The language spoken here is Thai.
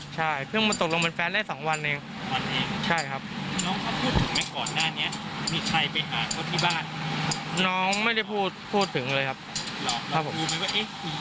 ใช่เพิ่งมาตกลงเป็นแฟนได้สองวันเองวันเองใช่ครับน้องเขาพูดถึงไหม